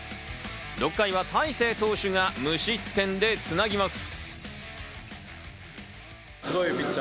６回は大勢投手が無失点でつなぎます。